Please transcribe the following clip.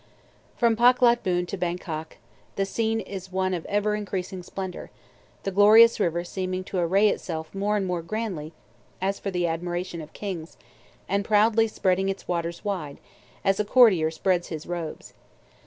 From Paklat Boon to Bangkok the scene is one of ever increasing splendor, the glorious river seeming to array itself more and more grandly, as for the admiration of kings, and proudly spreading its waters wide, as a courtier spreads his robes.